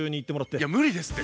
いや無理ですって。